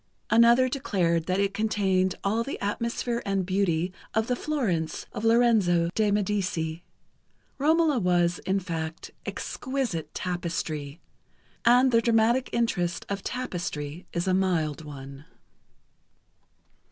Another declared that it contained all the atmosphere and beauty of the Florence of Lorenzo de Medici. "Romola" was, in fact, exquisite tapestry, and the dramatic interest of tapestry is a mild one.